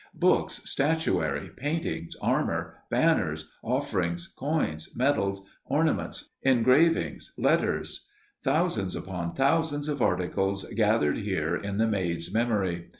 Books, statuary, paintings, armor, banners, offerings, coins, medals, ornaments, engravings, letters thousands upon thousands of articles gathered here in the Maid's memory.